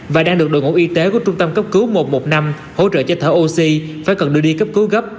và đang được đội ngũ y tế của trung tâm cấp cứu một trăm một mươi năm hỗ trợ cho thở oxy phải cần đưa đi cấp cứu gấp